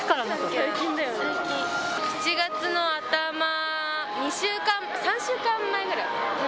最近、７月の頭、２週間、３週間前ぐらい。